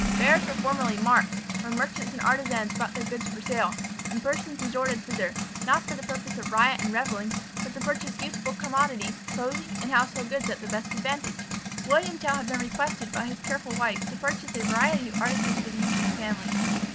Fairs were formerly marts, where merchants and artisans brought their goods for sale; and persons resorted thither, not for the purpose of riot and revelling, but to purchase useful commodities, clothing, and household goods at the best advantage. William Tell had been requested by his careful wife to purchase a variety of articles for the use of the family.